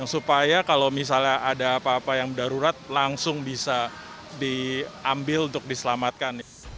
supaya kalau misalnya ada apa apa yang darurat langsung bisa diambil untuk diselamatkan